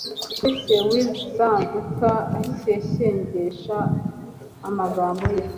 Ndetse uwinzaduka ushyeshyengesha amagambo ye